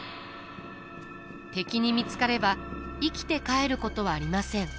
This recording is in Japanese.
敵に見つかれば生きて帰ることはありません。